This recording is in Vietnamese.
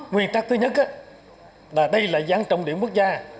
nguyên tắc thứ nhất là đây là dự án trọng điểm quốc gia